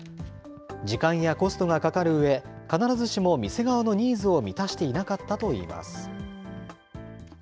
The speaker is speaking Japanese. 時間やコストがかかるうえ、必ずしも店側のニーズを満たしていなかったといいます。